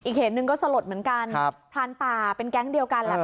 อีกเหตุหนึ่งก็สลดเหมือนกันพรานป่าเป็นแก๊งเดียวกันแหละ